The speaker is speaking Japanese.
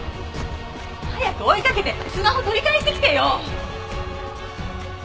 早く追いかけてスマホ取り返してきてよ！